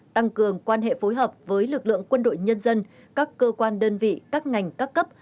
tăng cường quan hệ phối hợp với lực lượng quân đội nhân dân các cơ quan đơn vị các ngành các cấp